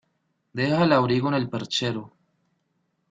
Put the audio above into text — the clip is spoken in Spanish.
Deja el abrigo en el perchero.